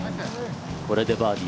これでバーディー。